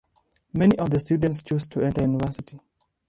Many of the students choose to enter university.